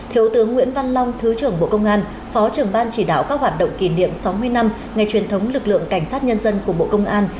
thiếu tướng nguyễn văn long thứ trưởng bộ công an phó trưởng ban chỉ đạo các hoạt động kỷ niệm sáu mươi năm ngày truyền thống lực lượng cảnh sát nhân dân của bộ công an